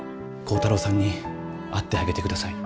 耕太郎さんに会ってあげて下さい。